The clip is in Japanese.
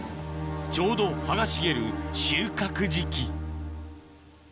ちょうど葉が茂る収穫時期